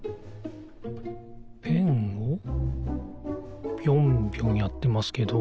ペンをぴょんぴょんやってますけど。